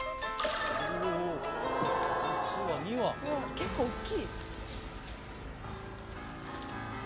結構大きい。